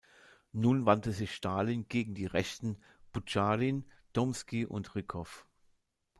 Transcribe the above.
Nun wandte sich Stalin gegen die „Rechten“ Bucharin, Tomski und Rykow.